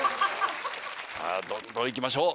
どんどんいきましょう。